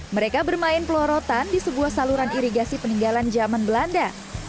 mereka bermain pelorotan di sebuah saluran irigasi peninggalan zaman belanda